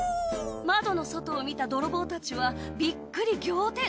窓の外を見た泥棒たちはびっくり仰天！